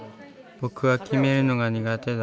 僕は決めるのが苦手だ。